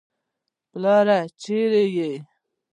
پلاره چېرې يې.